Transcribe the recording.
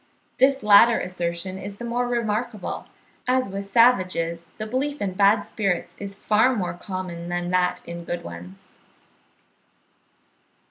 This latter assertion is the more remarkable, as with savages the belief in bad spirits is far more common than that in good ones.